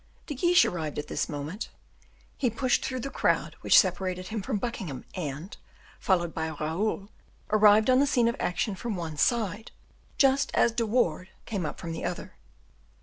De Guiche arrived at this moment; he pushed through the crowd which separated him from Buckingham, and, followed by Raoul, arrived on the scene of action from one side, just as De Wardes came up from the other.